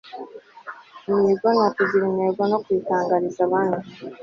imihigo ni ukugira intego no kuyitangariza bandi